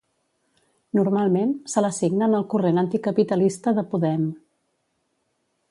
Normalment se l'assigna en el corrent Anticapitalista de Podem.